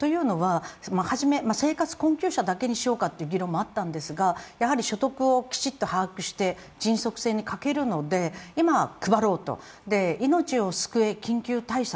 初め、生活困窮者だけにしようかという議論もあったんですがやはり所得をきちっと把握して迅速性に欠けるので今配ろうと、命を救え、緊急対策。